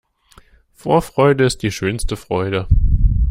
Vorfreude ist die schönste Freude.